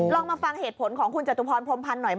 ลองมาฟังเหตุผลของคุณจตุพรพรมพันธ์หน่อย